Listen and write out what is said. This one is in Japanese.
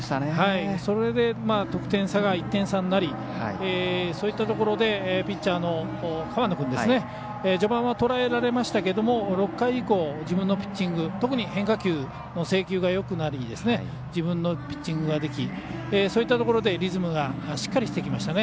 それで、得点差が１点差になりそういったところでピッチャーの河野君序盤はとらえられましたが６回以降、自分のピッチング特に変化球の制球がよくなり自分のピッチングができそういったところでリズムがしっかりしてきましたね。